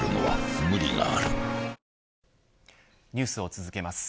ニュースを続けます。